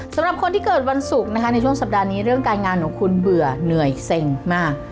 สำหรับคนที่เกิดวันศุกร์นะคะในช่วงสัปดาห์นี้เรื่องการงานของคุณเบื่อเหนื่อยเซ็งมาก